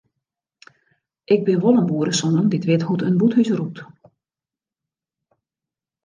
Ik bin wol in boeresoan dy't wit hoe't in bûthús rûkt.